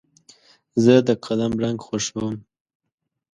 زه د قلم رنګ خوښوم.